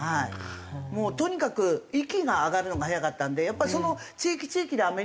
もうとにかく息が上がるのが早かったんでやっぱりその地域地域でアメリカでも。